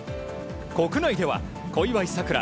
国内では小祝さくら